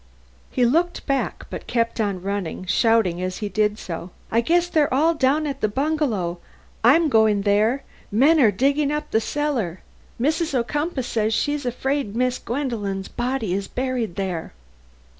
He looked back but kept on running, shouting as he did so: "I guess they're all down at the bungalow! I'm going there. Men are digging up the cellar. Mrs. Ocumpaugh says she's afraid Miss Gwendolen's body is buried there."